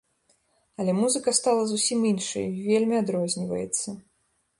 Але музыка стала зусім іншай, вельмі адрозніваецца.